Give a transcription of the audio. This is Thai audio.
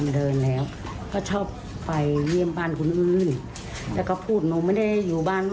เค้าก็ให้อยู่บ้านเค้าไม่ได้อยู่บ้าน